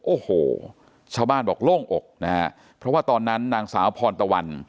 โอ้โหชาวบ้านบอกโล่งอกนะฮะเพราะว่าตอนนั้นนางสาวพรตะวัน